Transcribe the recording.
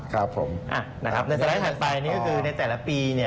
ในสลายถัดไปนี่ก็คือในแต่ละปี